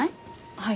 はい。